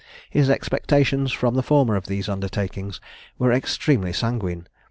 His expectations from the former of these undertakings were extremely sanguine.